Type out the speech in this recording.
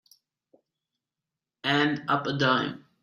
And up a dime.